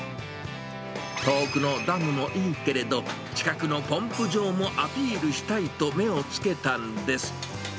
遠くのダムもいいけれど、近くのポンプ場もアピールしたいと、目を付けたんです。